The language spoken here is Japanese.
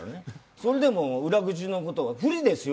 それでも裏口のこと、不利ですよ